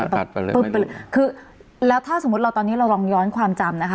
ตัดไปเลยไม่รู้คือแล้วถ้าสมมติเราตอนนี้เรารองย้อนความจำนะคะ